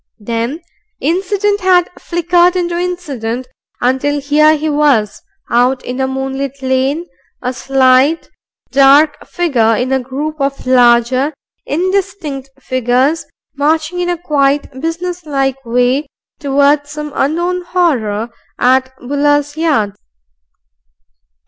Then incident had flickered into incident until here he was out in a moonlit lane, a slight, dark figure in a group of larger, indistinct figures, marching in a quiet, business like way towards some unknown horror at Buller's yard.